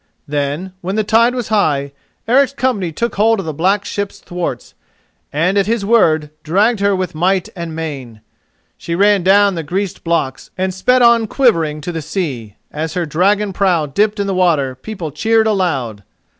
Then, when the tide was high, Eric's company took hold of the black ship's thwarts, and at his word dragged her with might and main. She ran down the greased blocks and sped on quivering to the sea, and as her dragon prow dipped in the water people cheered aloud.